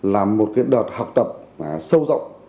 là một đợt học tập sâu rộng